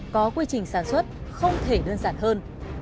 có quy trình sản xuất không thể đơn giản hơn